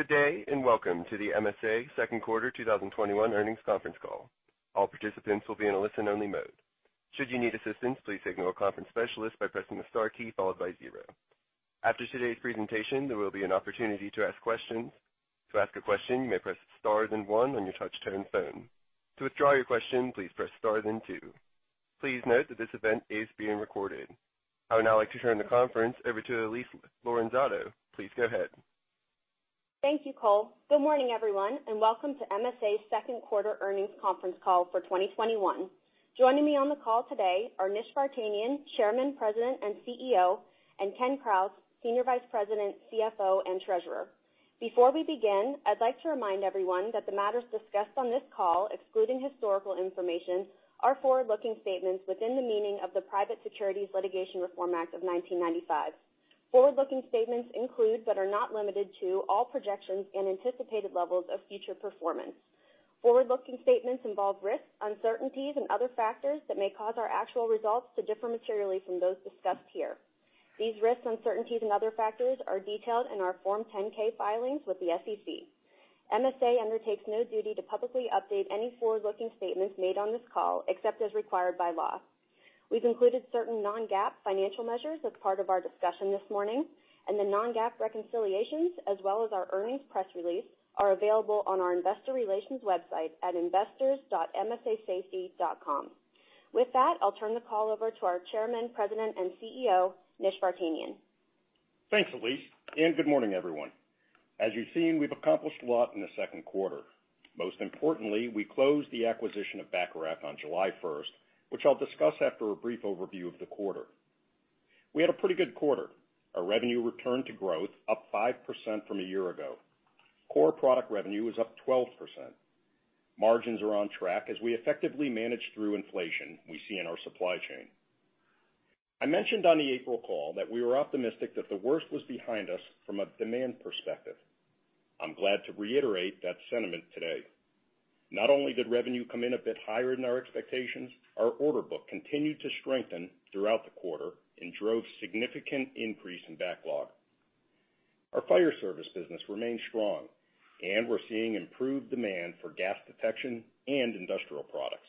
Good day. Welcome to the MSA second quarter 2021 earnings conference call. All participants will be in a listen-only mode. Should you need assistance, please signal a conference specialist by pressing the star key followed by zero. After today's presentation, there will be an opportunity to ask questions. To ask a question, you may press star then one on your touch-tone phone. To withdraw your question, please press star then two. Please note that this event is being recorded. I would now like to turn the conference over to Elyse Lorenzato. Please go ahead. Thank you, Cole. Good morning, everyone, and welcome to MSA's second quarter earnings conference call for 2021. Joining me on the call today are Nish Vartanian, Chairman, President, and CEO, and Ken Krause, Senior Vice President, CFO, and Treasurer. Before we begin, I'd like to remind everyone that the matters discussed on this call, excluding historical information, are forward-looking statements within the meaning of the Private Securities Litigation Reform Act of 1995. Forward-looking statements include, but are not limited to, all projections and anticipated levels of future performance. Forward-looking statements involve risks, uncertainties, and other factors that may cause our actual results to differ materially from those discussed here. These risks, uncertainties, and other factors are detailed in our Form 10-K filings with the SEC. MSA undertakes no duty to publicly update any forward-looking statements made on this call, except as required by law. We've included certain non-GAAP financial measures as part of our discussion this morning, and the non-GAAP reconciliations, as well as our earnings press release, are available on our investor relations website at investors.msasafety.com. With that, I'll turn the call over to our Chairman, President, and CEO, Nish Vartanian. Thanks, Elyse, and good morning, everyone. As you've seen, we've accomplished a lot in the second quarter. Most importantly, we closed the acquisition of Bacharach on July 1st, which I'll discuss after a brief overview of the quarter. We had a pretty good quarter. Our revenue returned to growth, up 5% from a year ago. Core product revenue is up 12%. Margins are on track as we effectively manage through inflation we see in our supply chain. I mentioned on the April call that we were optimistic that the worst was behind us from a demand perspective. I'm glad to reiterate that sentiment today. Not only did revenue come in a bit higher than our expectations, our order book continued to strengthen throughout the quarter and drove significant increase in backlog. Our fire service business remains strong, and we're seeing improved demand for gas detection and industrial products.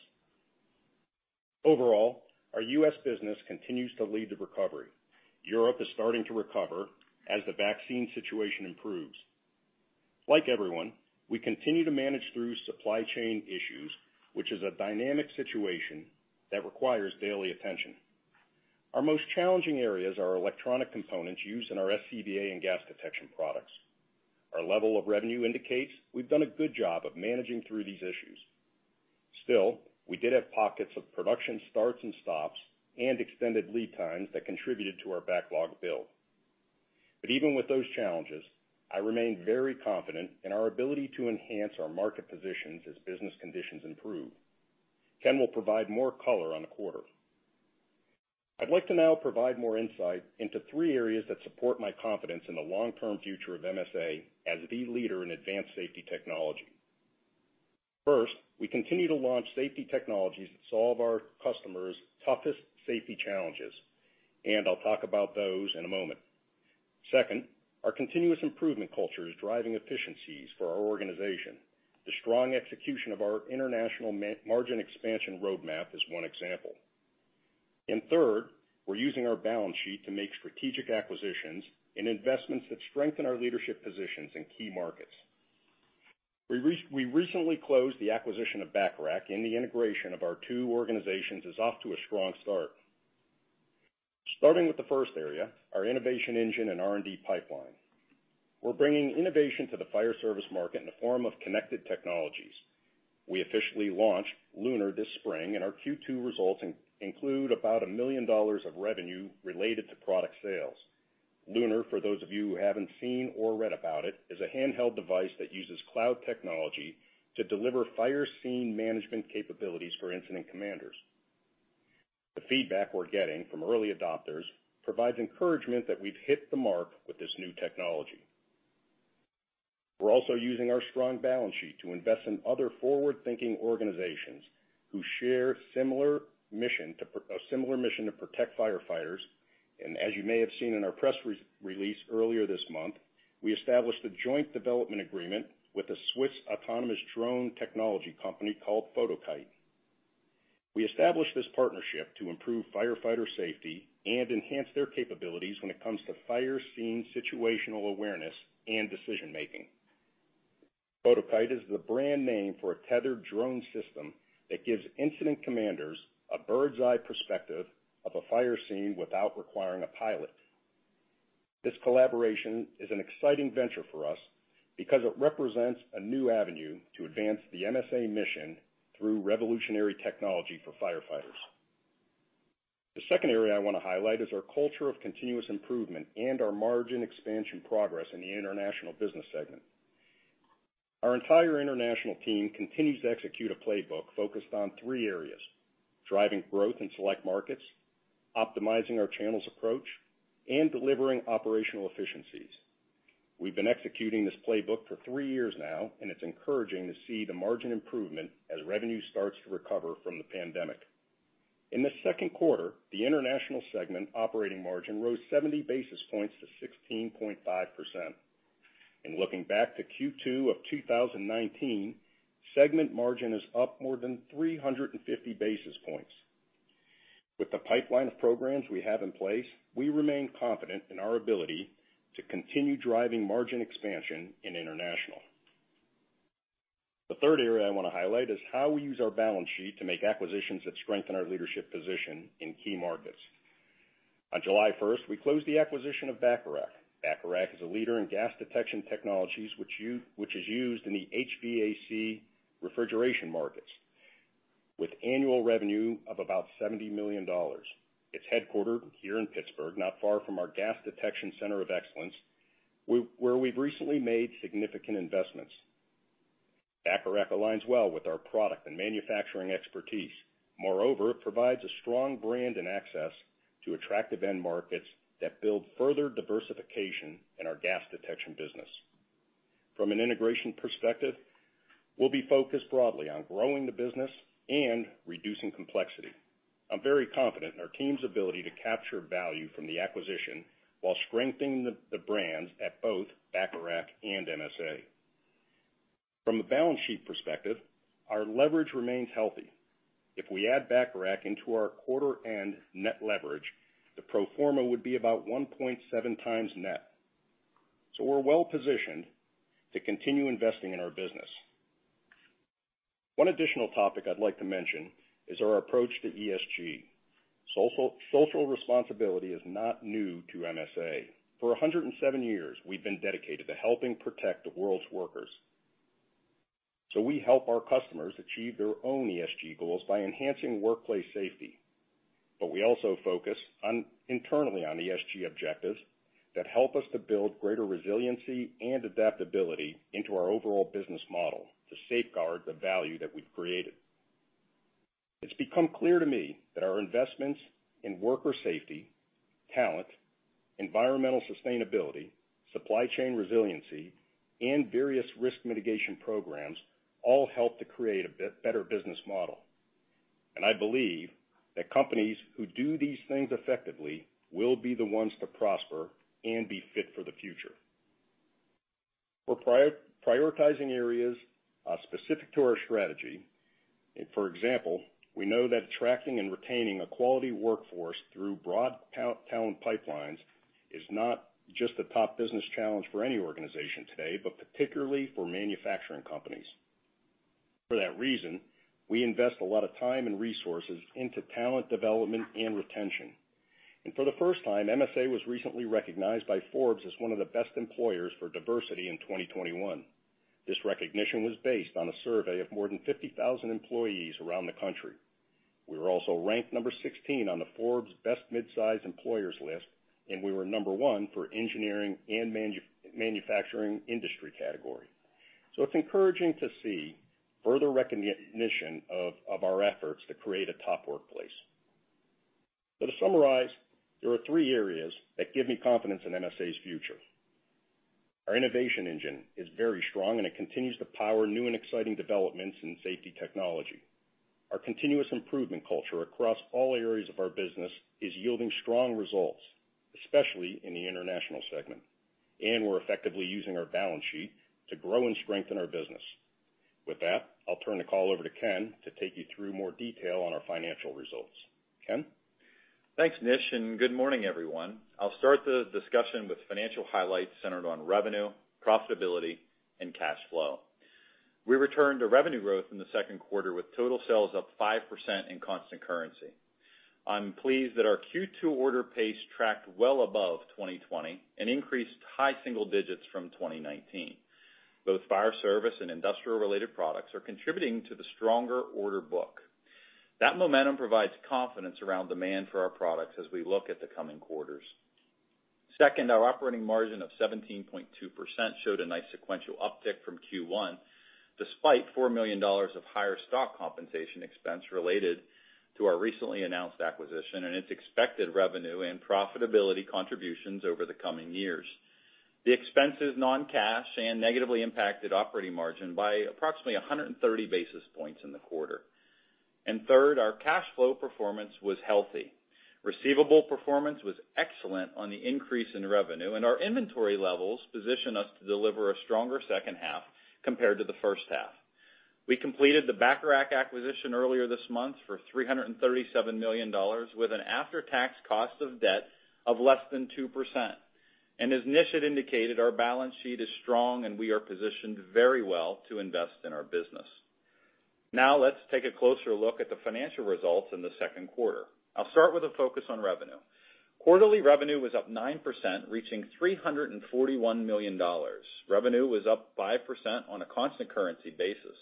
Overall, our U.S. business continues to lead the recovery. Europe is starting to recover as the vaccine situation improves. Like everyone, we continue to manage through supply chain issues, which is a dynamic situation that requires daily attention. Our most challenging areas are electronic components used in our SCBA and gas detection products. Our level of revenue indicates we've done a good job of managing through these issues. We did have pockets of production starts and stops and extended lead times that contributed to our backlog build. Even with those challenges, I remain very confident in our ability to enhance our market positions as business conditions improve. Ken will provide more color on the quarter. I'd like to now provide more insight into three areas that support my confidence in the long-term future of MSA as the leader in advanced safety technology. We continue to launch safety technologies that solve our customers' toughest safety challenges, and I'll talk about those in a moment. Our continuous improvement culture is driving efficiencies for our organization. The strong execution of our international margin expansion roadmap is one example. Third, we're using our balance sheet to make strategic acquisitions and investments that strengthen our leadership positions in key markets. We recently closed the acquisition of Bacharach, and the integration of our two organizations is off to a strong start. Starting with the first area, our innovation engine and R&D pipeline. We're bringing innovation to the fire service market in the form of connected technologies. We officially launched LUNAR this spring, and our Q2 results include about $1 million of revenue related to product sales. LUNAR, for those of you who haven't seen or read about it, is a handheld device that uses cloud technology to deliver fire scene management capabilities for incident commanders. The feedback we're getting from early adopters provides encouragement that we've hit the mark with this new technology. As you may have seen in our press release earlier this month, we established a joint development agreement with a Swiss autonomous drone technology company called Fotokite. We established this partnership to improve firefighter safety and enhance their capabilities when it comes to fire scene situational awareness and decision-making. Fotokite is the brand name for a tethered drone system that gives incident commanders a bird's eye perspective of a fire scene without requiring a pilot. This collaboration is an exciting venture for us because it represents a new avenue to advance the MSA mission through revolutionary technology for firefighters. The second area I want to highlight is our culture of continuous improvement and our margin expansion progress in the international business segment. Our entire international team continues to execute a playbook focused on three areas: driving growth in select markets, optimizing our channels approach, and delivering operational efficiencies. We've been executing this playbook for three years now, and it's encouraging to see the margin improvement as revenue starts to recover from the pandemic. In the second quarter, the international segment operating margin rose 70 basis points to 16.5%. Looking back to Q2 of 2019, segment margin is up more than 350 basis points. With the pipeline of programs we have in place, we remain confident in our ability to continue driving margin expansion in international. The third area I want to highlight is how we use our balance sheet to make acquisitions that strengthen our leadership position in key markets. On July 1st, we closed the acquisition of Bacharach. Bacharach is a leader in gas detection technologies, which is used in the HVAC refrigeration markets, with annual revenue of about $70 million. It's headquartered here in Pittsburgh, not far from our gas detection center of excellence, where we've recently made significant investments. Bacharach aligns well with our product and manufacturing expertise. Moreover, it provides a strong brand and access to attractive end markets that build further diversification in our gas detection business. From an integration perspective, we'll be focused broadly on growing the business and reducing complexity. I'm very confident in our team's ability to capture value from the acquisition while strengthening the brands at both Bacharach and MSA. From a balance sheet perspective, our leverage remains healthy. If we add Bacharach into our quarter end net leverage, the pro forma would be about 1.7x net. We're well-positioned to continue investing in our business. One additional topic I'd like to mention is our approach to ESG. Social responsibility is not new to MSA. For 107 years, we've been dedicated to helping protect the world's workers. We help our customers achieve their own ESG goals by enhancing workplace safety. We also focus internally on ESG objectives that help us to build greater resiliency and adaptability into our overall business model to safeguard the value that we've created. It's become clear to me that our investments in worker safety, talent, environmental sustainability, supply chain resiliency, and various risk mitigation programs all help to create a better business model. I believe that companies who do these things effectively will be the ones to prosper and be fit for the future. We're prioritizing areas specific to our strategy. For example, we know that attracting and retaining a quality workforce through broad talent pipelines is not just a top business challenge for any organization today, but particularly for manufacturing companies. For that reason, we invest a lot of time and resources into talent development and retention. For the first time, MSA was recently recognized by Forbes as one of the best employers for diversity in 2021. This recognition was based on a survey of more than 50,000 employees around the country. We were also ranked number 16 on the Forbes best mid-size employers list, and we were number one for engineering and manufacturing industry category. It's encouraging to see further recognition of our efforts to create a top workplace. To summarize, there are three areas that give me confidence in MSA's future. Our innovation engine is very strong, and it continues to power new and exciting developments in safety technology. Our continuous improvement culture across all areas of our business is yielding strong results, especially in the international segment. We're effectively using our balance sheet to grow and strengthen our business. With that, I'll turn the call over to Ken to take you through more detail on our financial results. Ken? Thanks, Nish. Good morning, everyone. I'll start the discussion with financial highlights centered on revenue, profitability, and cash flow. We returned to revenue growth in the second quarter with total sales up 5% in constant currency. I'm pleased that our Q2 order pace tracked well above 2020 and increased high single digits from 2019. Both fire service and industrial-related products are contributing to the stronger order book. That momentum provides confidence around demand for our products as we look at the coming quarters. Second, our operating margin of 17.2% showed a nice sequential uptick from Q1, despite $4 million of higher stock compensation expense related to our recently announced acquisition and its expected revenue and profitability contributions over the coming years. The expense is non-cash and negatively impacted operating margin by approximately 130 basis points in the quarter. Third, our cash flow performance was healthy. Receivable performance was excellent on the increase in revenue, and our inventory levels position us to deliver a stronger second half compared to the first half. We completed the Bacharach acquisition earlier this month for $337 million with an after-tax cost of debt of less than 2%. As Nish had indicated, our balance sheet is strong, and we are positioned very well to invest in our business. Now let's take a closer look at the financial results in the second quarter. I'll start with a focus on revenue. Quarterly revenue was up 9%, reaching $341 million. Revenue was up 5% on a constant currency basis.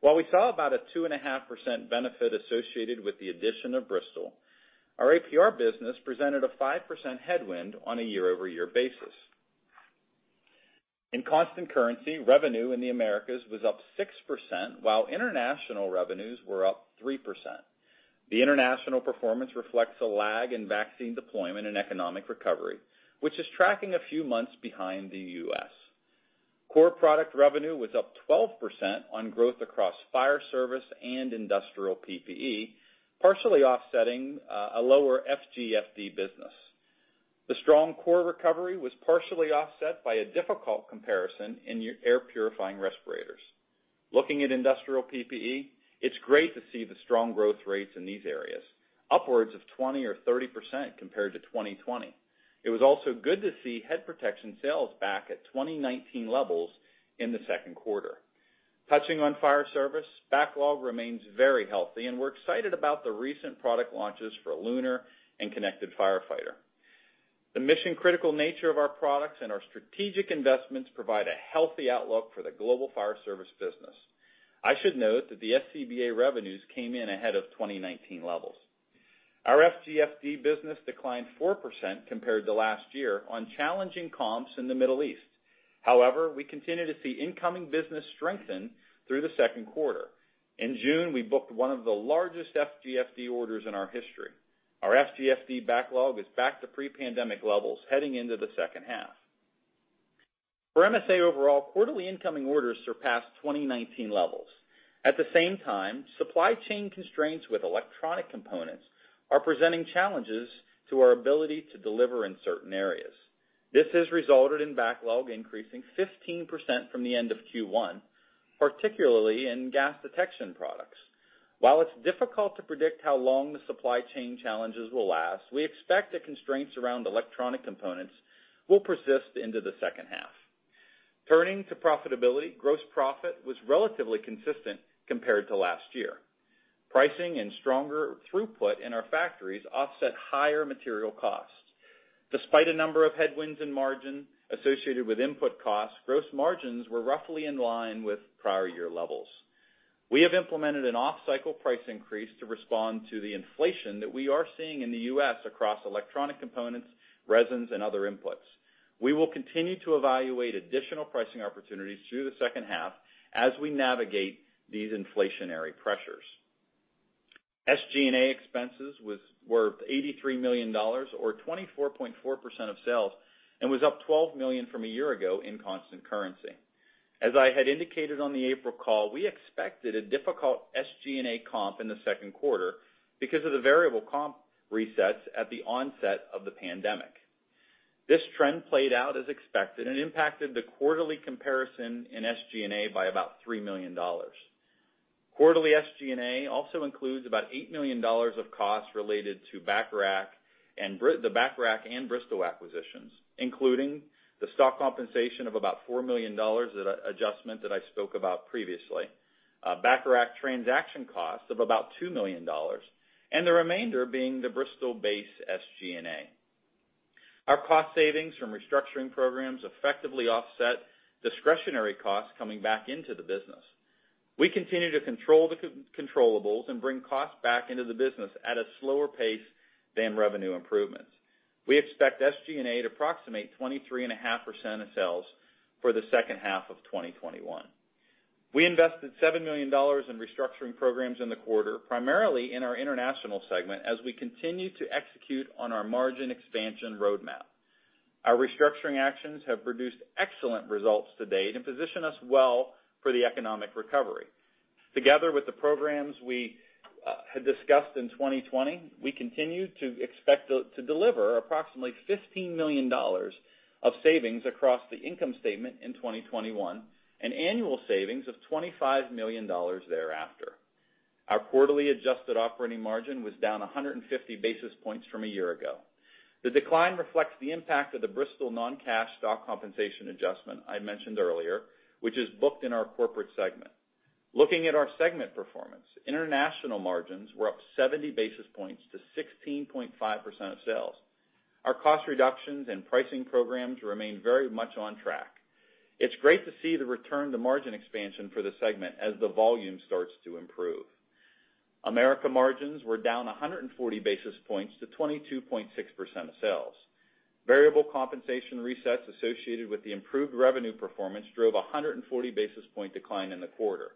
While we saw about a 2.5% benefit associated with the addition of Bristol, our APR business presented a 5% headwind on a year-over-year basis. In constant currency, revenue in the Americas was up 6%, while international revenues were up 3%. The international performance reflects a lag in vaccine deployment and economic recovery, which is tracking a few months behind the U.S. Core product revenue was up 12% on growth across fire service and industrial PPE, partially offsetting a lower FGFD business. The strong core recovery was partially offset by a difficult comparison in air purifying respirators. Looking at industrial PPE, it's great to see the strong growth rates in these areas, upwards of 20 or 30% compared to 2020. It was also good to see head protection sales back at 2019 levels in the second quarter. Touching on fire service, backlog remains very healthy, and we're excited about the recent product launches for LUNAR and Connected Firefighter. The mission-critical nature of our products and our strategic investments provide a healthy outlook for the global fire service business. I should note that the SCBA revenues came in ahead of 2019 levels. Our FGFD business declined 4% compared to last year on challenging comps in the Middle East. We continue to see incoming business strengthen through the second quarter. In June, we booked one of the largest FGFD orders in our history. Our FGFD backlog is back to pre-pandemic levels heading into the second half. For MSA overall, quarterly incoming orders surpassed 2019 levels. At the same time, supply chain constraints with electronic components are presenting challenges to our ability to deliver in certain areas. This has resulted in backlog increasing 15% from the end of Q1, particularly in gas detection products. While it's difficult to predict how long the supply chain challenges will last, we expect the constraints around electronic components will persist into the second half. Turning to profitability, gross profit was relatively consistent compared to last year. Pricing and stronger throughput in our factories offset higher material costs. Despite a number of headwinds in margin associated with input costs, gross margins were roughly in line with prior year levels. We have implemented an off-cycle price increase to respond to the inflation that we are seeing in the U.S. across electronic components, resins, and other inputs. We will continue to evaluate additional pricing opportunities through the second half as we navigate these inflationary pressures. SG&A expenses were $83 million, or 24.4% of sales, and was up $12 million from a year ago in constant currency. As I had indicated on the April call, we expected a difficult SG&A comp in the second quarter because of the variable comp resets at the onset of the pandemic. This trend played out as expected and impacted the quarterly comparison in SG&A by about $3 million. Quarterly SG&A also includes about $8 million of costs related to Bacharach and Bristol acquisitions, including the stock compensation of about $4 million, an adjustment that I spoke about previously. A Bacharach transaction cost of about $2 million. The remainder being the Bristol base SG&A. Our cost savings from restructuring programs effectively offset discretionary costs coming back into the business. We continue to control the controllables and bring costs back into the business at a slower pace than revenue improvements. We expect SG&A to approximate 23.5% of sales for the second half of 2021. We invested $7 million in restructuring programs in the quarter, primarily in our international segment, as we continue to execute on our margin expansion roadmap. Our restructuring actions have produced excellent results to date and position us well for the economic recovery. Together with the programs we had discussed in 2020, we continue to expect to deliver approximately $15 million of savings across the income statement in 2021, an annual savings of $25 million thereafter. Our quarterly adjusted operating margin was down 150 basis points from a year ago. The decline reflects the impact of the Bristol non-cash stock compensation adjustment I mentioned earlier, which is booked in our corporate segment. Looking at our segment performance, International margins were up 70 basis points to 16.5% of sales. Our cost reductions and pricing programs remain very much on track. It's great to see the return to margin expansion for the segment as the volume starts to improve. Americas margins were down 140 basis points to 22.6% of sales. Variable compensation resets associated with the improved revenue performance drove 140 basis point decline in the quarter.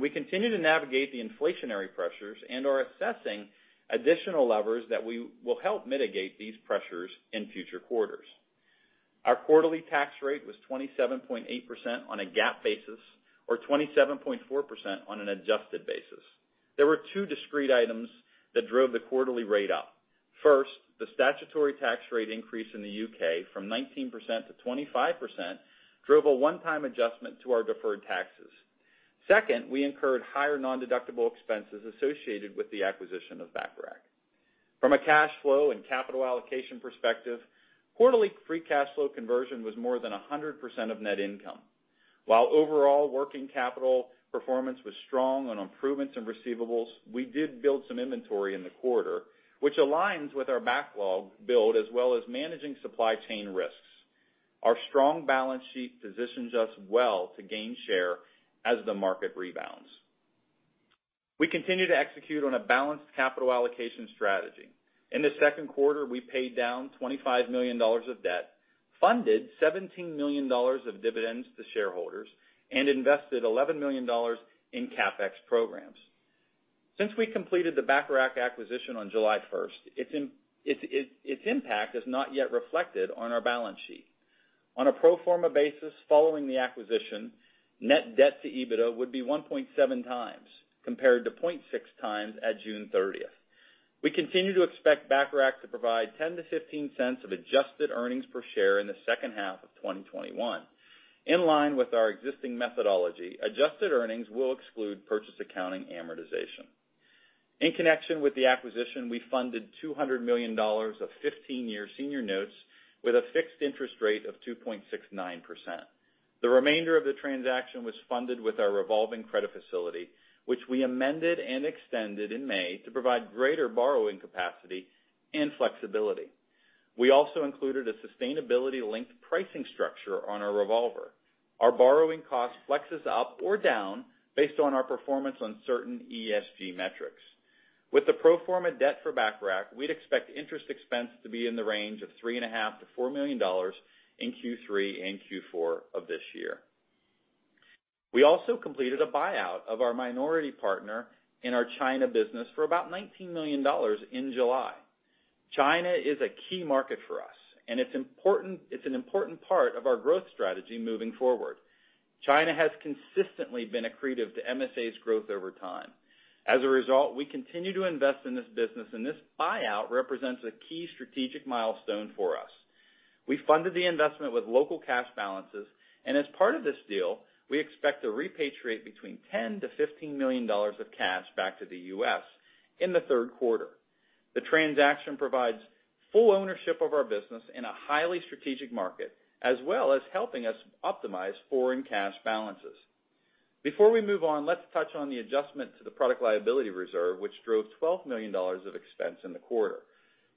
We continue to navigate the inflationary pressures and are assessing additional levers that will help mitigate these pressures in future quarters. Our quarterly tax rate was 27.8% on a GAAP basis or 27.4% on an adjusted basis. There were two discrete items that drove the quarterly rate up. First, the statutory tax rate increase in the U.K. from 19% to 25% drove a one-time adjustment to our deferred taxes. Second, we incurred higher nondeductible expenses associated with the acquisition of Bacharach. From a cash flow and capital allocation perspective, quarterly free cash flow conversion was more than 100% of net income. While overall working capital performance was strong on improvements in receivables, we did build some inventory in the quarter, which aligns with our backlog build as well as managing supply chain risks. Our strong balance sheet positions us well to gain share as the market rebounds. We continue to execute on a balanced capital allocation strategy. In the second quarter, we paid down $25 million of debt, funded $17 million of dividends to shareholders, and invested $11 million in CapEx programs. Since we completed the Bacharach acquisition on July 1st, its impact is not yet reflected on our balance sheet. On a pro forma basis following the acquisition, net debt to EBITDA would be 1.7x, compared to 0.6x at June 30th. We continue to expect Bacharach to provide $0.10-$0.15 of adjusted earnings per share in the second half of 2021. In line with our existing methodology, adjusted earnings will exclude purchase accounting amortization. In connection with the acquisition, we funded $200 million of 15-year senior notes with a fixed interest rate of 2.69%. The remainder of the transaction was funded with our revolving credit facility, which we amended and extended in May to provide greater borrowing capacity and flexibility. We also included a sustainability-linked pricing structure on our revolver. Our borrowing cost flexes up or down based on our performance on certain ESG metrics. With the pro forma debt for Bacharach, we'd expect interest expense to be in the range of $3.5 million-$4 million in Q3 and Q4 of this year. We also completed a buyout of our minority partner in our China business for about $19 million in July. China is a key market for us, and it's an important part of our growth strategy moving forward. China has consistently been accretive to MSA's growth over time. As a result, we continue to invest in this business, and this buyout represents a key strategic milestone for us. As part of this deal, we expect to repatriate between $10 million-$15 million of cash back to the U.S. in the third quarter. The transaction provides full ownership of our business in a highly strategic market, as well as helping us optimize foreign cash balances. Before we move on, let's touch on the adjustment to the product liability reserve, which drove $12 million of expense in the quarter.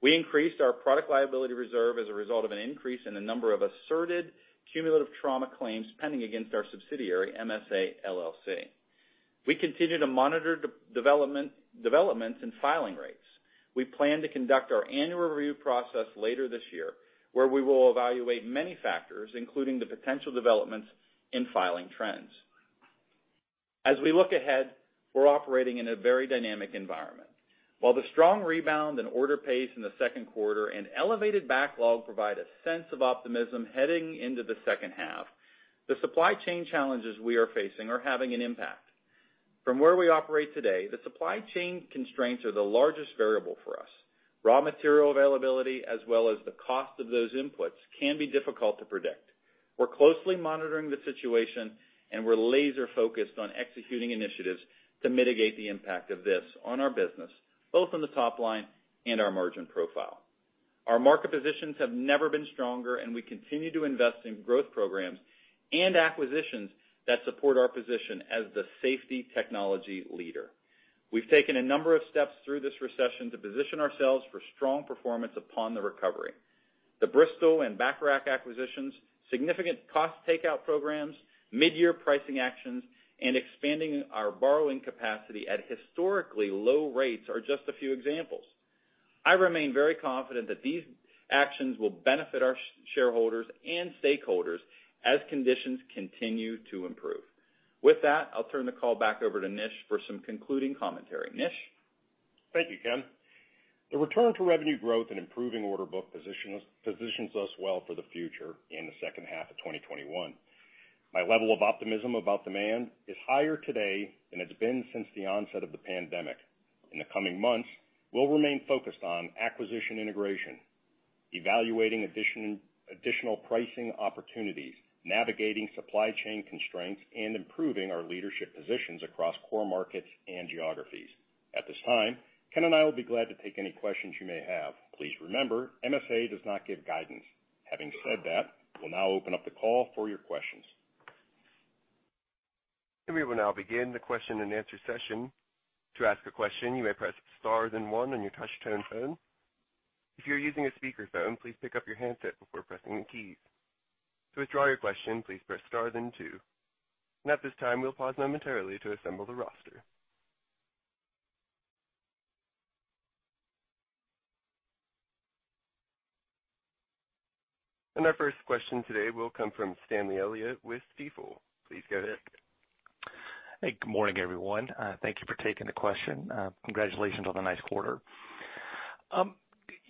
We increased our product liability reserve as a result of an increase in the number of asserted cumulative trauma claims pending against our subsidiary, MSA LLC. We continue to monitor developments in filing rates. We plan to conduct our annual review process later this year, where we will evaluate many factors, including the potential developments in filing trends. As we look ahead, we're operating in a very dynamic environment. While the strong rebound and order pace in the second quarter and elevated backlog provide a sense of optimism heading into the second half, the supply chain challenges we are facing are having an impact. From where we operate today, the supply chain constraints are the largest variable for us. Raw material availability, as well as the cost of those inputs, can be difficult to predict. We're closely monitoring the situation, and we're laser-focused on executing initiatives to mitigate the impact of this on our business, both on the top line and our margin profile. Our market positions have never been stronger, and we continue to invest in growth programs and acquisitions that support our position as the safety technology leader. We've taken a number of steps through this recession to position ourselves for strong performance upon the recovery. The Bristol and Bacharach acquisitions, significant cost takeout programs, mid-year pricing actions, and expanding our borrowing capacity at historically low rates are just a few examples. I remain very confident that these actions will benefit our shareholders and stakeholders as conditions continue to improve. With that, I'll turn the call back over to Nish for some concluding commentary. Nish? Thank you, Ken. The return to revenue growth and improving order book positions us well for the future in the second half of 2021. My level of optimism about demand is higher today than it's been since the onset of the pandemic. In the coming months, we'll remain focused on acquisition integration, evaluating additional pricing opportunities, navigating supply chain constraints, and improving our leadership positions across core markets and geographies. At this time, Ken and I will be glad to take any questions you may have. Please remember, MSA does not give guidance. Having said that, we'll now open up the call for your questions. We will now begin the question-and-answer session. To ask a question, you may press star, then one on your touch-tone phone. If you're using a speakerphone, please pick up your handset before pressing the keys. To withdraw your question, please press star, then two. At this time, we'll pause momentarily to assemble the roster. Our first question today will come from Stanley Elliott with Stifel. Please go ahead. Hey, good morning, everyone. Thank you for taking the question. Congratulations on the nice quarter.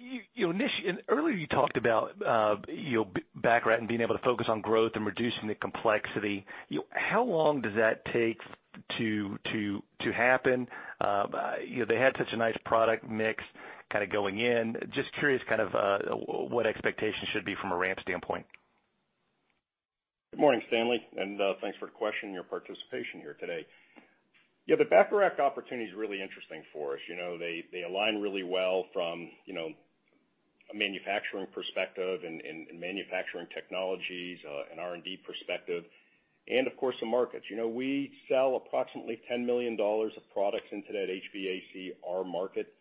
Nish, earlier you talked about Bacharach and being able to focus on growth and reducing the complexity. How long does that take to happen? They had such a nice product mix kind of going in. Just curious kind of what expectations should be from a ramp standpoint. Good morning, Stanley. Thanks for the question and your participation here today. The Bacharach opportunity is really interesting for us. They align really well from a manufacturing perspective and manufacturing technologies and R&D perspective, of course, the markets. We sell approximately $10 million of products into that HVACR market.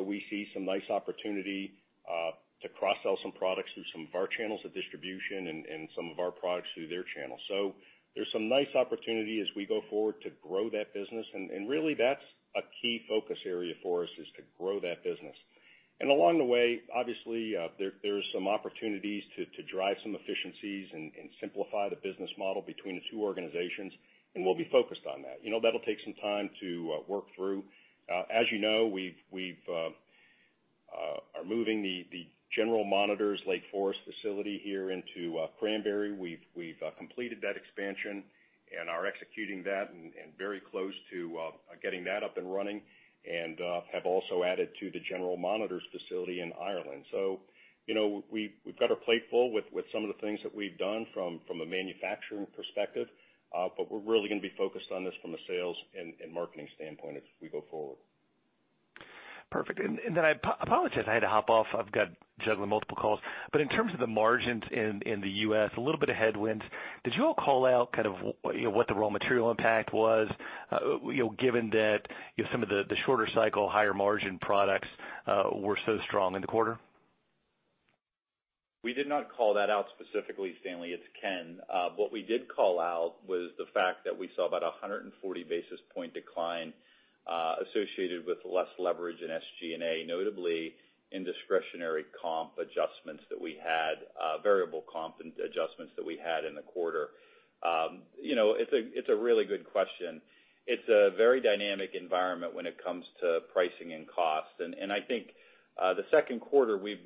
We see some nice opportunity to cross-sell some products through some of our channels of distribution and some of our products through their channels. There's some nice opportunity as we go forward to grow that business, and really that's a key focus area for us is to grow that business. Along the way, obviously, there are some opportunities to drive some efficiencies and simplify the business model between the two organizations, and we'll be focused on that. That'll take some time to work through. As you know, we are moving the General Monitors Lake Forest facility here into Cranberry. We've completed that expansion and are executing that and very close to getting that up and running, and have also added to the General Monitors facility in Ireland. We've got our plate full with some of the things that we've done from a manufacturing perspective. We're really going to be focused on this from a sales and marketing standpoint as we go forward. Perfect. I apologize, I had to hop off. I've got juggling multiple calls. In terms of the margins in the U.S., a little bit of headwinds. Did you all call out kind of what the raw material impact was given that some of the shorter cycle, higher margin products were so strong in the quarter? We did not call that out specifically, Stanley. It's Ken. What we did call out was the fact that we saw about 140 basis point decline associated with less leverage in SG&A, notably in discretionary comp adjustments that we had, variable comp adjustments that we had in the quarter. It's a really good question. It's a very dynamic environment when it comes to pricing and cost, and I think the second quarter we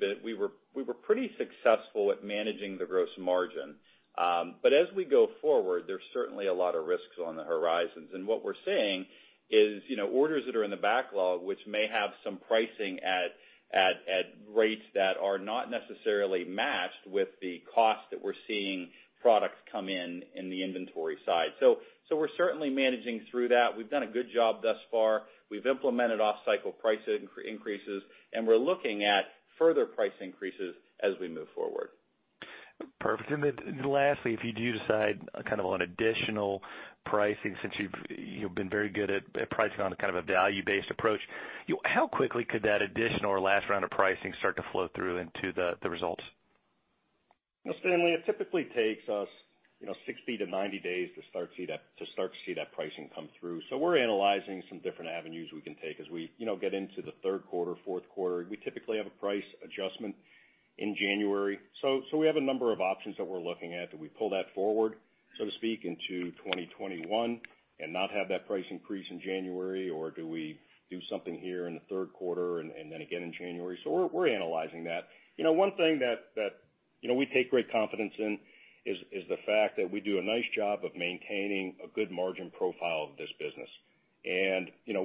were pretty successful at managing the gross margin. As we go forward, there's certainly a lot of risks on the horizons. What we're seeing is orders that are in the backlog, which may have some pricing at rates that are not necessarily matched with the cost that we're seeing products come in in the inventory side. We're certainly managing through that. We've done a good job thus far. We've implemented off-cycle price increases, and we're looking at further price increases as we move forward. Perfect. Lastly, if you do decide on additional pricing, since you've been very good at pricing on a value-based approach, how quickly could that additional or last round of pricing start to flow through into the results? Stanley, it typically takes us 60-90 days to start to see that pricing come through. We're analyzing some different avenues we can take as we get into the third quarter, fourth quarter. We typically have a price adjustment in January. We have a number of options that we're looking at. Do we pull that forward, so to speak, into 2021 and not have that price increase in January, or do we do something here in the third quarter and then again in January? We're analyzing that. One thing that we take great confidence in is the fact that we do a nice job of maintaining a good margin profile of this business.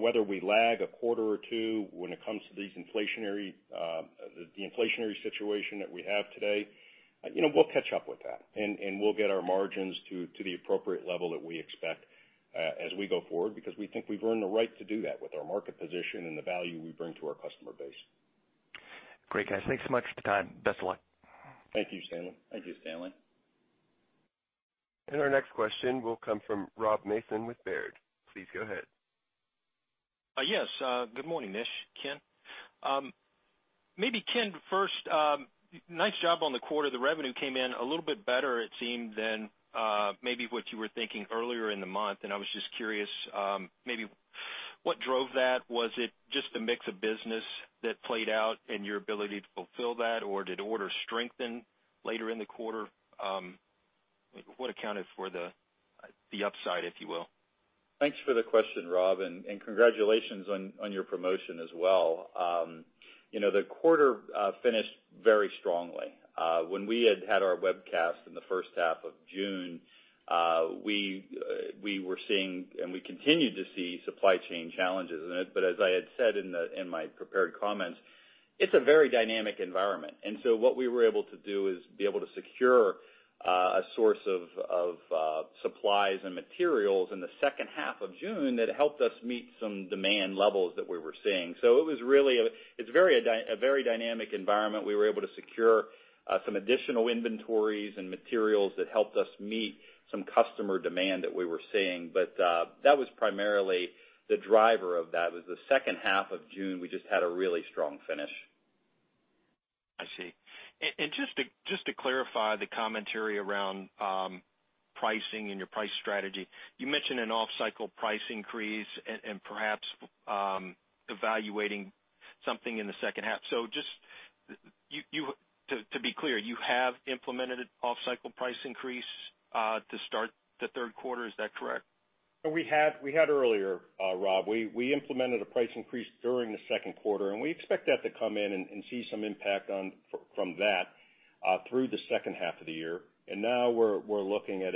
Whether we lag a quarter or two when it comes to the inflationary situation that we have today, we'll catch up with that, and we'll get our margins to the appropriate level that we expect as we go forward, because we think we've earned the right to do that with our market position and the value we bring to our customer base. Great, guys. Thanks so much for the time. Best of luck. Thank you, Stanley. Thank you, Stanley. Our next question will come from Rob Mason with Baird. Please go ahead. Yes. Good morning, Nish, Ken. Maybe Ken first, nice job on the quarter. The revenue came in a little bit better it seemed, than maybe what you were thinking earlier in the month, and I was just curious maybe what drove that. Was it just a mix of business that played out and your ability to fulfill that, or did orders strengthen later in the quarter? What accounted for the upside, if you will? Thanks for the question, Rob, and congratulations on your promotion as well. The quarter finished very strongly. When we had had our webcast in the first half of June, we were seeing, and we continue to see supply chain challenges. As I had said in my prepared comments, it's a very dynamic environment. What we were able to do is be able to secure a source of supplies and materials in the second half of June that helped us meet some demand levels that we were seeing. It's a very dynamic environment. We were able to secure some additional inventories and materials that helped us meet some customer demand that we were seeing. That was primarily the driver of that, was the second half of June, we just had a really strong finish. I see. Just to clarify the commentary around pricing and your price strategy, you mentioned an off-cycle price increase and perhaps evaluating something in the second half. Just to be clear, you have implemented an off-cycle price increase to start the third quarter. Is that correct? We had earlier, Rob. We implemented a price increase during the second quarter, and we expect that to come in and see some impact from that through the second half of the year. Now we're looking at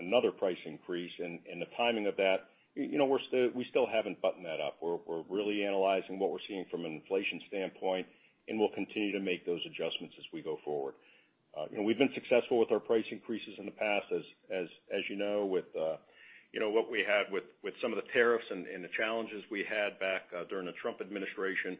another price increase, and the timing of that, we still haven't buttoned that up. We're really analyzing what we're seeing from an inflation standpoint, and we'll continue to make those adjustments as we go forward. We've been successful with our price increases in the past as you know, with what we had with some of the tariffs and the challenges we had back during the Trump administration.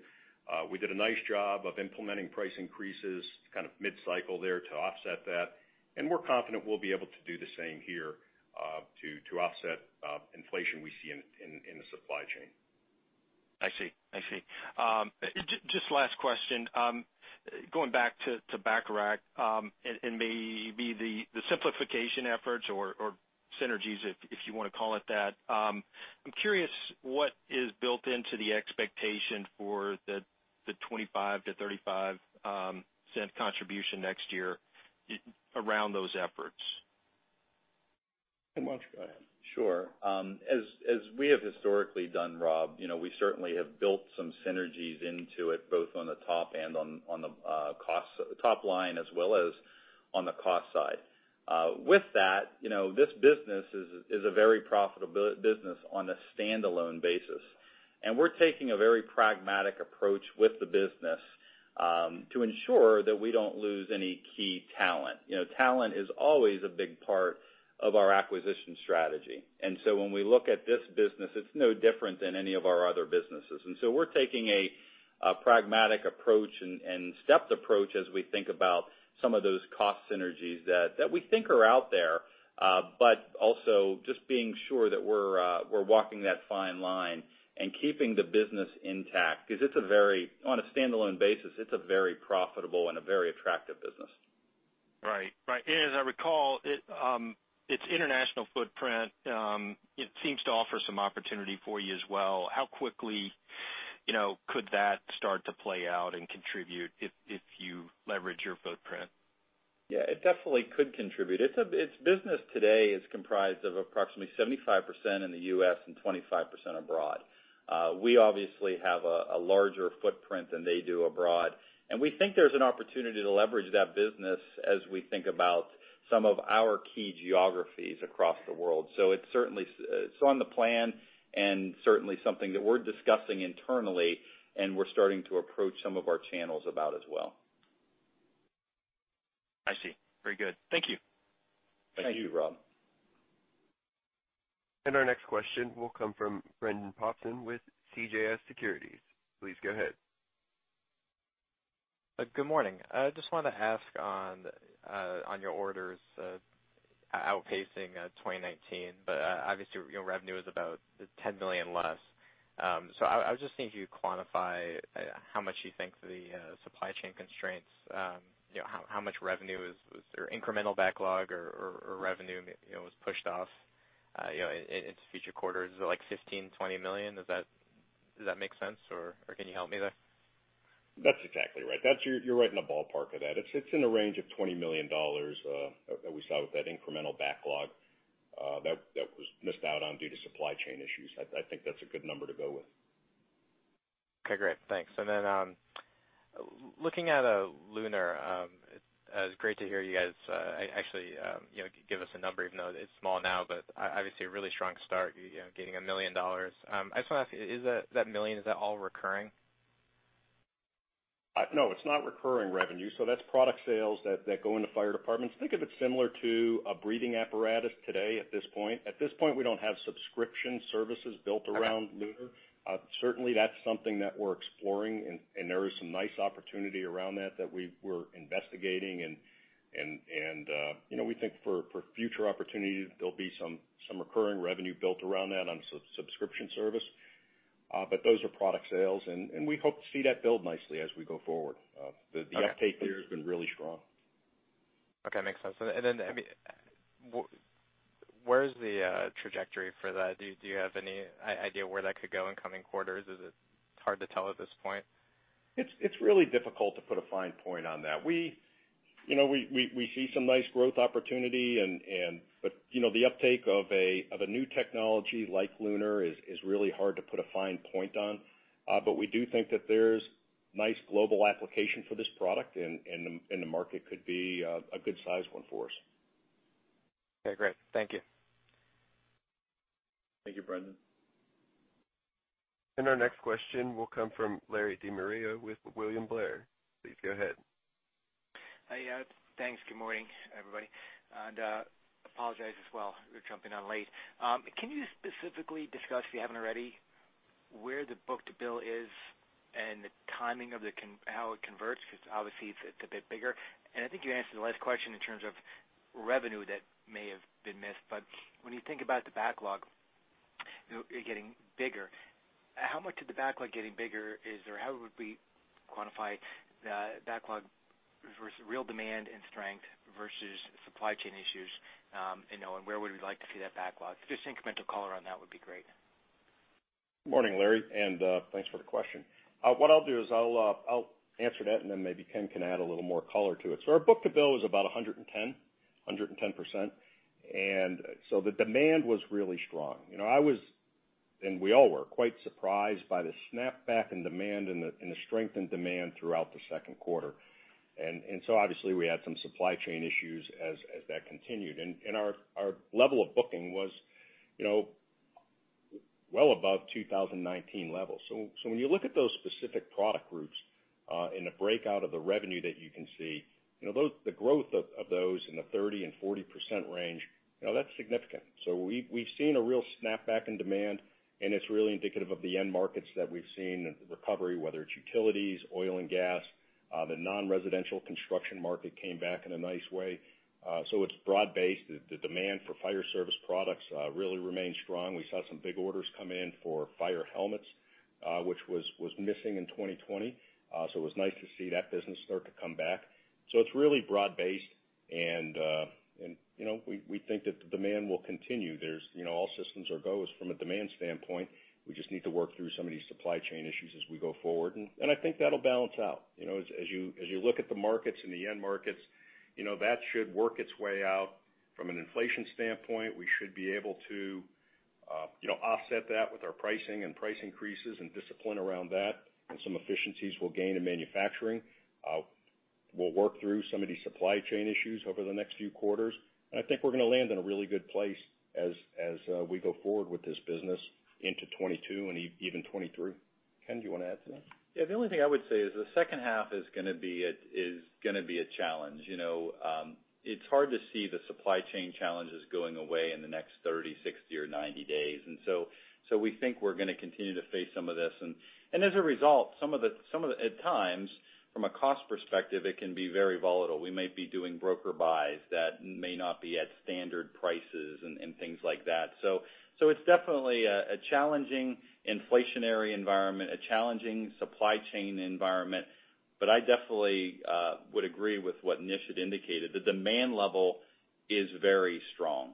We did a nice job of implementing price increases kind of mid-cycle there to offset that, and we're confident we'll be able to do the same here to offset inflation we see in the supply chain. I see. Just last question. Going back to Bacharach, and maybe the simplification efforts or synergies, if you want to call it that. I'm curious what is built into the expectation for the $0.25-$0.35 contribution next year around those efforts? Ken, why don't you go ahead? Sure. As we have historically done, Rob, we certainly have built some synergies into it, both on the top line as well as on the cost side. With that, this business is a very profitable business on a standalone basis. We're taking a very pragmatic approach with the business to ensure that we don't lose any key talent. Talent is always a big part of our acquisition strategy. When we look at this business, it's no different than any of our other businesses. We're taking a pragmatic approach and stepped approach as we think about some of those cost synergies that we think are out there. Also just being sure that we're walking that fine line and keeping the business intact because on a standalone basis, it's a very profitable and a very attractive business. Right. As I recall, its international footprint, it seems to offer some opportunity for you as well. How quickly could that start to play out and contribute if you leverage your footprint? Yeah, it definitely could contribute. Its business today is comprised of approximately 75% in the U.S. and 25% abroad. We obviously have a larger footprint than they do abroad, and we think there's an opportunity to leverage that business as we think about some of our key geographies across the world. It's on the plan and certainly something that we're discussing internally and we're starting to approach some of our channels about as well. I see. Very good. Thank you. Thank you, Rob. Our next question will come from Brendan Popson with CJS Securities. Please go ahead. Good morning. Just wanted to ask on your orders outpacing 2019, but obviously, your revenue is about $10 million less. I was just seeing if you could quantify how much you think the supply chain constraints, how much revenue is, or incremental backlog or revenue was pushed off into future quarters. Is it like $15 million, $20 million? Does that make sense, or can you help me there? That's exactly right. You're right in the ballpark of that. It's in the range of $20 million that we saw with that incremental backlog that was missed out on due to supply chain issues. I think that's a good number to go with. Okay, great. Thanks. Looking at LUNAR, it was great to hear you guys actually give us a number, even though it's small now. Obviously a really strong start getting $1 million. I just want to ask, that $1 million, is that all recurring? No, it's not recurring revenue. That's product sales that go into fire departments. Think of it similar to a breathing apparatus today at this point. We don't have subscription services built around LUNAR. Certainly, that's something that we're exploring and there is some nice opportunity around that that we're investigating and we think for future opportunities, there'll be some recurring revenue built around that on a subscription service. Those are product sales, and we hope to see that build nicely as we go forward. The uptake there has been really strong. Okay. Makes sense. Where is the trajectory for that? Do you have any idea where that could go in coming quarters? Is it hard to tell at this point? It's really difficult to put a fine point on that. We see some nice growth opportunity, but the uptake of a new technology like LUNAR is really hard to put a fine point on. We do think that there's nice global application for this product, and the market could be a good size one for us. Okay, great. Thank you. Thank you, Brendan. Our next question will come from Larry De Maria with William Blair. Please go ahead. Hey. Thanks. Good morning, everybody. Apologize as well. We're jumping on late. Can you specifically discuss, if you haven't already, where the book-to-bill is and the timing of how it converts? Obviously it's a bit bigger. I think you answered the last question in terms of revenue that may have been missed, when you think about the backlog getting bigger, how much of the backlog getting bigger is there? How would we quantify the backlog versus real demand and strength versus supply chain issues? Where would we like to see that backlog? Just incremental color on that would be great. Good morning, Larry, and thanks for the question. What I'll do is I'll answer that and then maybe Ken can add a little more color to it. Our book-to-bill is about 110%. The demand was really strong. I was, and we all were quite surprised by the snapback in demand and the strength in demand throughout the second quarter. Obviously we had some supply chain issues as that continued. Our level of booking was well above 2019 levels. When you look at those specific product groups in the breakout of the revenue that you can see, the growth of those in the 30%-40% range, that's significant. We've seen a real snapback in demand, and it's really indicative of the end markets that we've seen in the recovery, whether it's utilities, oil and gas. The non-residential construction market came back in a nice way. It's broad-based. The demand for fire service products really remained strong. We saw some big orders come in for fire helmets, which was missing in 2020. It was nice to see that business start to come back. It's really broad-based and we think that the demand will continue. All systems are go from a demand standpoint. We just need to work through some of these supply chain issues as we go forward, and I think that'll balance out. As you look at the markets and the end markets, that should work its way out from an inflation standpoint. We should be able to offset that with our pricing and price increases and discipline around that, and some efficiencies we'll gain in manufacturing. We'll work through some of these supply chain issues over the next few quarters. I think we're going to land in a really good place as we go forward with this business into 2022 and even 2023. Ken, do you want to add to that? Yeah. The only thing I would say is the second half is going to be a challenge. It's hard to see the supply chain challenges going away in the next 30, 60, or 90 days. We think we're going to continue to face some of this. As a result, at times, from a cost perspective, it can be very volatile. We might be doing broker buys that may not be at standard prices and things like that. It's definitely a challenging inflationary environment, a challenging supply chain environment. I definitely would agree with what Nish had indicated. The demand level is very strong.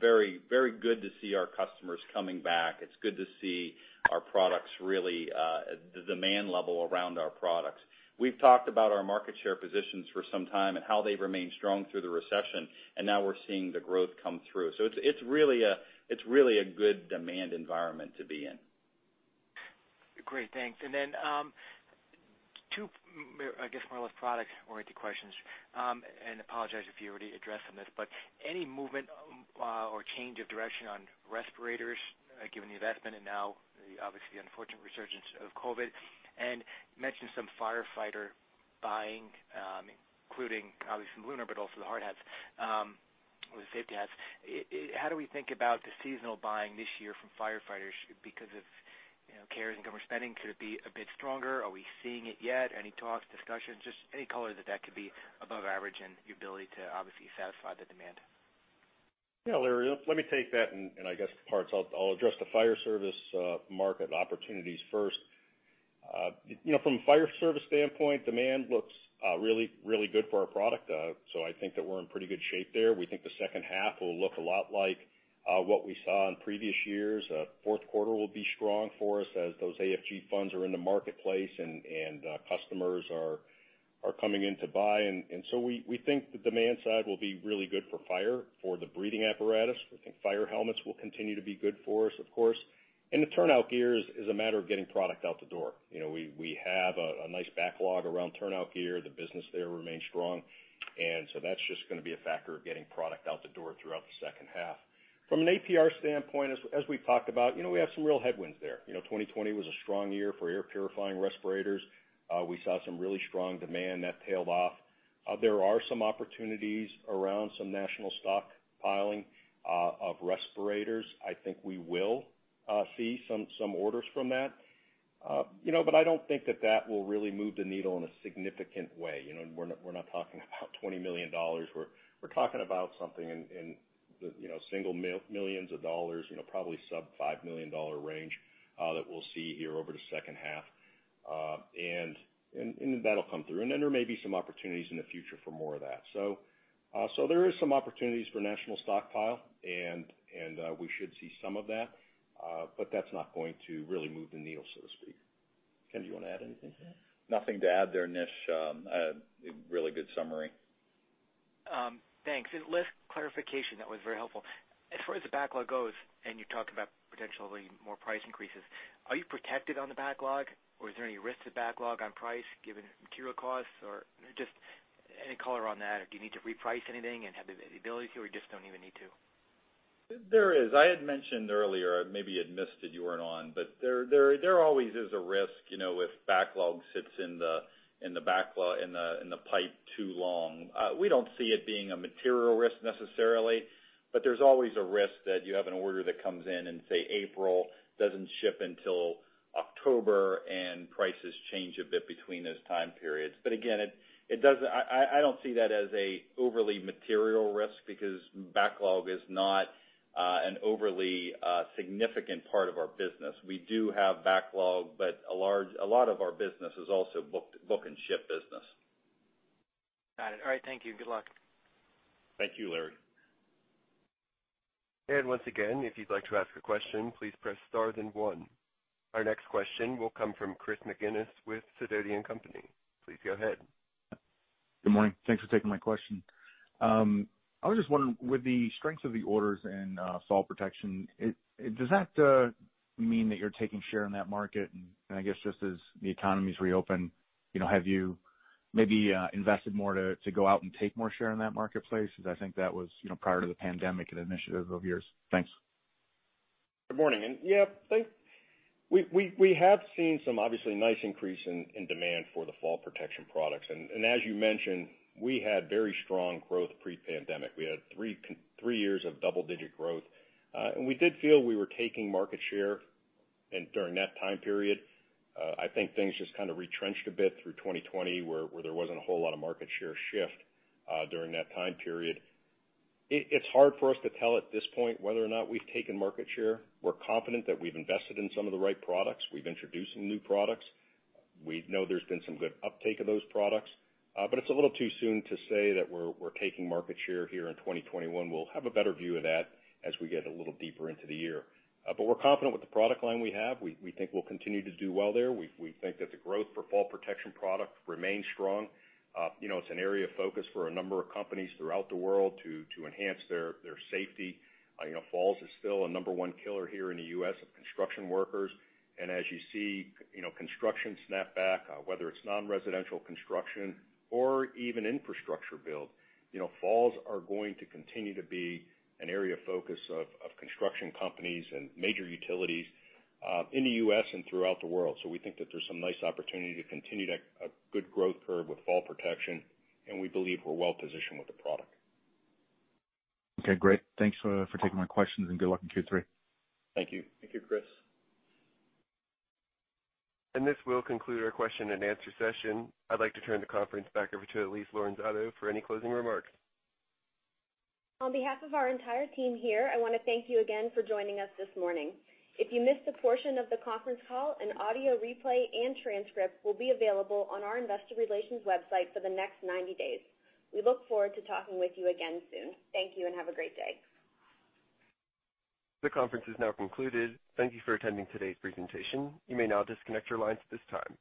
Very good to see our customers coming back. It's good to see the demand level around our products. We've talked about our market share positions for some time and how they've remained strong through the recession, and now we're seeing the growth come through. It's really a good demand environment to be in. Great. Thanks. Two, I guess, more or less product-oriented questions. Apologize if you already addressed some of this, but any movement or change of direction on respirators, given the investment and now obviously the unfortunate resurgence of COVID? You mentioned some firefighter buying, including obviously from LUNAR, but also the hard hats or the safety hats. How do we think about the seasonal buying this year from firefighters because of the CARES and government spending? Could it be a bit stronger? Are we seeing it yet? Any talks, discussions? Just any color that could be above average and the ability to obviously satisfy the demand. Yeah, Larry, let me take that and I guess the parts. I'll address the fire service market opportunities first. From a fire service standpoint, demand looks really good for our product. I think that we're in pretty good shape there. We think the second half will look a lot like what we saw in previous years. Fourth quarter will be strong for us as those AFG funds are in the marketplace and customers are coming in to buy. We think the demand side will be really good for fire, for the breathing apparatus. We think fire helmets will continue to be good for us, of course. The turnout gear is a matter of getting product out the door. We have a nice backlog around turnout gear. The business there remains strong. That's just going to be a factor of getting product out the door throughout the second half. From an APR standpoint, as we've talked about, we have some real headwinds there. 2020 was a strong year for air purifying respirators. We saw some really strong demand. That tailed off. There are some opportunities around some national stockpiling of respirators. I think we will see some orders from that. I don't think that will really move the needle in a significant way. We're not talking about $20 million. We're talking about something in the single millions of dollars, probably sub $5 million range, that we'll see here over the second half. That'll come through. There may be some opportunities in the future for more of that. There is some opportunities for national stockpile, and we should see some of that, but that's not going to really move the needle, so to speak. Ken, do you want to add anything to that? Nothing to add there, Nish. A really good summary. Thanks. Last clarification that was very helpful. As far as the backlog goes, and you talked about potentially more price increases, are you protected on the backlog or is there any risk to backlog on price given material costs? Just any color on that. Do you need to reprice anything and have the ability to, or just don't even need to? There is. I had mentioned earlier, maybe you had missed it, you weren't on. There always is a risk if backlog sits in the pipe too long. We don't see it being a material risk necessarily, but there's always a risk that you have an order that comes in in, say, April, doesn't ship until October, and prices change a bit between those time periods. Again, I don't see that as a overly material risk because backlog is not an overly significant part of our business. We do have backlog, but a lot of our business is also book and ship business. Got it. All right. Thank you. Good luck. Thank you, Larry. Once again, if you'd like to ask a question, please press star one. Our next question will come from Chris McGinnis with Sidoti & Company. Please go ahead. Good morning. Thanks for taking my question. I was just wondering, with the strength of the orders in fall protection, does that mean that you're taking share in that market? I guess just as the economy's reopened, have you maybe invested more to go out and take more share in that marketplace? Because I think that was prior to the pandemic, an initiative of yours. Thanks. Good morning. Yeah, we have seen some obviously nice increase in demand for the fall protection products. As you mentioned, we had very strong growth pre-pandemic. We had three years of double-digit growth. We did feel we were taking market share during that time period. I think things just kind of retrenched a bit through 2020, where there wasn't a whole lot of market share shift during that time period. It's hard for us to tell at this point whether or not we've taken market share. We're confident that we've invested in some of the right products. We've introduced some new products. We know there's been some good uptake of those products. It's a little too soon to say that we're taking market share here in 2021. We'll have a better view of that as we get a little deeper into the year. We're confident with the product line we have. We think we'll continue to do well there. We think that the growth for fall protection product remains strong. It's an area of focus for a number of companies throughout the world to enhance their safety. Falls is still a number one killer here in the U.S. of construction workers. As you see construction snap back, whether it's non-residential construction or even infrastructure build, falls are going to continue to be an area of focus of construction companies and major utilities in the U.S. and throughout the world. We think that there's some nice opportunity to continue a good growth curve with fall protection, and we believe we're well positioned with the product. Okay, great. Thanks for taking my questions, and good luck in Q3. Thank you. Thank you, Chris. This will conclude our question-and-answer session. I'd like to turn the conference back over to Elyse Lorenzato for any closing remarks. On behalf of our entire team here, I want to thank you again for joining us this morning. If you missed a portion of the conference call, an audio replay and transcript will be available on our investor relations website for the next 90 days. We look forward to talking with you again soon. Thank you, and have a great day. The conference is now concluded. Thank you for attending today's presentation. You may now disconnect your lines at this time.